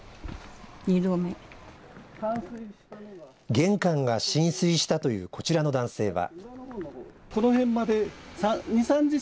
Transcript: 玄関が浸水したというこちらの男性は。